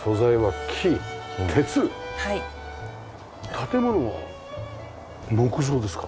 建物は木造ですか？